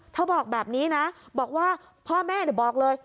เธอบอกแบบนี้นะบอกว่าพ่อแม่เดี๋ยวบอกเลย